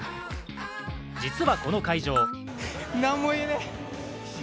実はこの会場